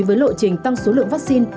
với lộ trình tăng số lượng vaccine